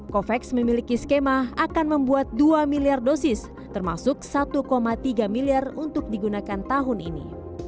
covax memiliki skema akan membuat dua miliar dosis termasuk satu tiga miliar untuk digunakan tahun ini